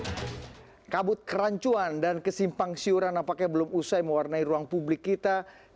ini adalah kabut perancuan dan kesimpangsiuran apakah belum usai mewarnai ruang publik tersebut